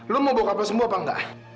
lo mau bokap lo sembuh apa nggak